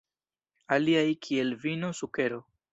Aliaj, kiel vino, sukero.